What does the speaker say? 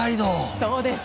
そうです。